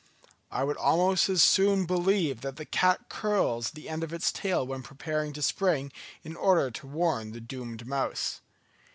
I would almost as soon believe that the cat curls the end of its tail when preparing to spring, in order to warn the doomed mouse.